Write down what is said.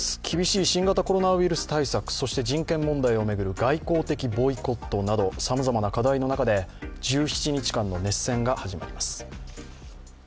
厳しい新型コロナウイルス対策、そして人権問題を巡る外交的ボイコットなど、さまざまな課題の中で１７日間の熱戦が始まります。